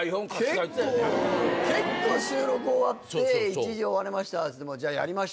結構収録終わって１時終わりましたっつってじゃあやりましょうか。